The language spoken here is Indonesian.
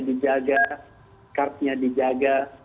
dijaga kartunya dijaga